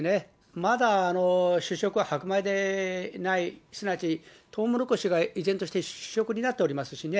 まだ主食、白米でない、すなわちとうもろこしが依然として主食になっておりますしね。